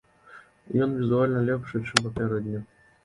Ён візуальна лепшы, чым папярэдні.